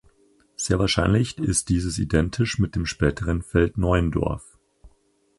Sehr wahrscheinlich ist dieses identisch mit dem späteren Feld Neuendorf.